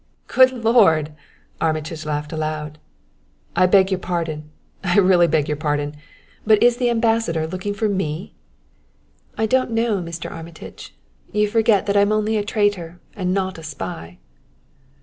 "Good Lord!" Armitage laughed aloud. "I beg your pardon! I really beg your pardon! But is the Ambassador looking for me?" "I don't know, Mr. Armitage. You forget that I'm only a traitor and not a spy."